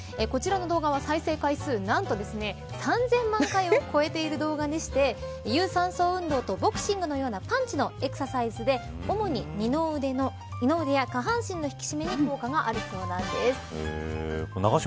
こちらの動画は再生回数何と３０００万回を超えている動画でして有酸素運動とボクシングのような感じのエクササイズで主に二の腕や下半身の引き締めに効果があるようなんです。